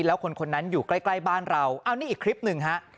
แล้วคนนั้นอยู่ใกล้บ้านเราอันนี้อีกคลิปหนึ่งฮะ